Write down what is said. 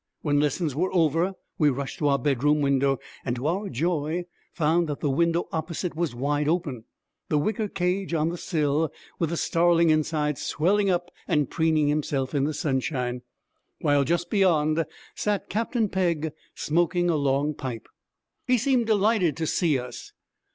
When lessons were over we rushed to our bedroom window, and to our joy we found that the window opposite was wide open, the wicker cage on the sill, with the starling inside swelling up and preening himself in the sunshine, while just beyond sat Captain Pegg smoking a long pipe. He seemed delighted to see us.